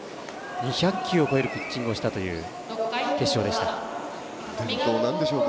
２００球を超えるピッチングをしたという決勝でした。